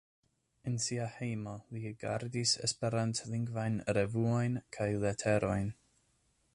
En sia hejmo li gardis esperantlingvajn revuojn kaj leterojn.